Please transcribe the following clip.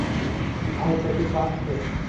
আরেকটা কিছু আসছে।